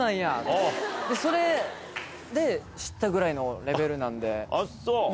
それで知ったぐらいのレベルなんで。